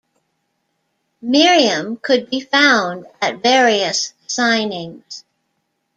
Miriam could be found at various signings.